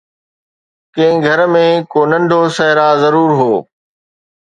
ڪنهن گهر ۾ ڪو ننڍو صحرا ضرور هو